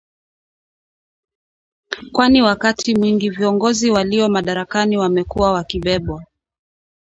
kwani wakati mwingi viongozi walio madarakani wamekuwa wakibebwa